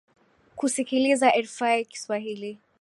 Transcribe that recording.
kusikiliza rfi kiswahili